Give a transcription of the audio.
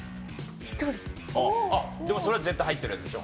でもそれは絶対入ってるやつでしょ。